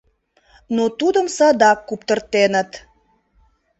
Но тудым садак «куптыртеныт».